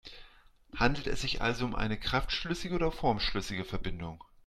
Handelt es sich also um eine kraftschlüssige oder formschlüssige Verbindung?